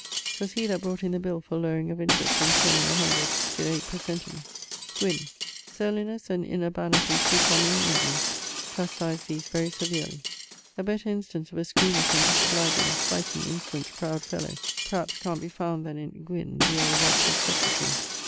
'Twas he that brought in the for lowering of interest from ten in the hundred to eight per centum. =... Gwyn.= Surlinesse and inurbanitie too common in England: chastise these very severely. A better instance of a squeamish and disobligeing, slighting, insolent, proud, fellow, perhaps cant be found then in ... Gwin, the earl of Oxford's secretary.